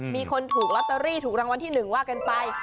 มีคนถูกลอตเตอรี่ถูกรางวัลที่๑ว่ากันไป